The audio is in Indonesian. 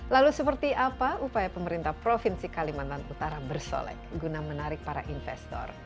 lalu seperti apa upaya pemerintah provinsi kalimantan utara bersolek guna menarik para investor